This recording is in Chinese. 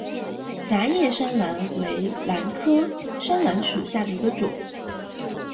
狭叶山兰为兰科山兰属下的一个种。